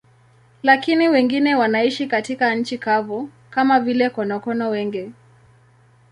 Lakini wengine wanaishi katika nchi kavu, kama vile konokono wengi.